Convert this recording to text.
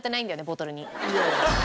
ボトルに。